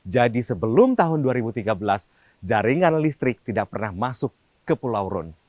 jadi sebelum tahun dua ribu tiga belas jaringan listrik tidak pernah masuk ke pulau rune